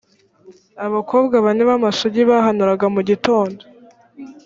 abakobwa bane b’ amasugi bahanuraga mu gitondo.